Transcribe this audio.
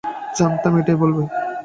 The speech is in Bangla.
জানতাম এটাই বলবে।